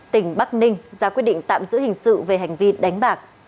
tỉnh bắc ninh ra quyết định tạm giữ hình sự về hành vi đánh bạc